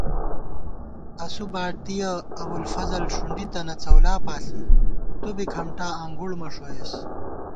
اسُو باتِیَہ ابُوالفضل ݭُنڈی تنہ څؤلا پاݪی، تُو بی کھمٹا انگُوڑ مہ ݭوئیس